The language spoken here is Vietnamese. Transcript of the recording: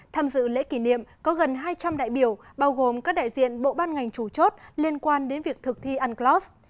tham dự lễ kỷ niệm có gần hai trăm linh đại biểu bao gồm các đại diện bộ ban ngành chủ chốt liên quan đến việc thực thi unclos